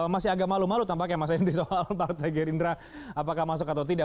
masih agak malu malu tampaknya mas henry soal partai gerindra apakah masuk atau tidak